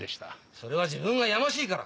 それは自分がやましいから。